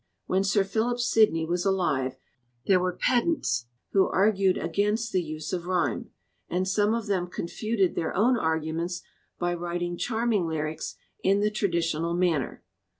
When Sir Philip Sidney was alive there were pedants who argued against the use of rhyme, and some of them confuted their own arguments by writing charming lyrics in the traditional manner.